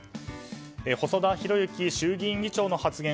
細田博之衆議院議長の発言